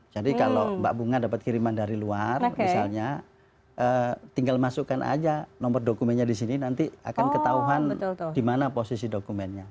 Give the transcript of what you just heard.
jadi kalau mbak bunga dapat kiriman dari luar misalnya tinggal masukkan aja nomor dokumennya disini nanti akan ketahuan dimana posisi dokumennya